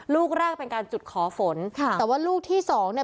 ลูกแรกเป็นการจุดขอฝนค่ะแต่ว่าลูกที่สองเนี่ย